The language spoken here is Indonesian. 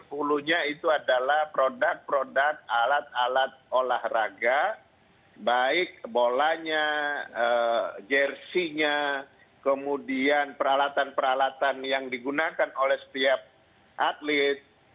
hulunya itu adalah produk produk alat alat olahraga baik bolanya jersinya kemudian peralatan peralatan yang digunakan oleh setiap atlet